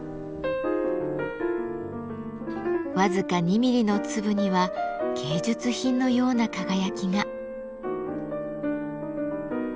僅か２ミリの粒には芸術品のような輝きが。